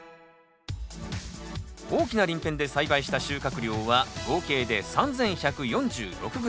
大きな鱗片で栽培した収穫量は合計で３，１４６ｇ。